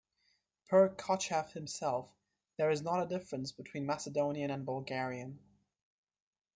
Per Kotcheff himself, there is not a difference between Macedonian and Bulgarian.